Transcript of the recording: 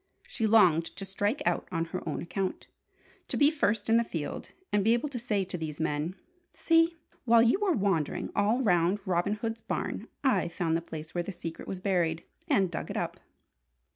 She longed to strike out on her own account, to be first in the field, and be able to say to these men: "See, while you were wandering all round Robin Hood's barn, I've found the place where the secret was buried, and dug it up!"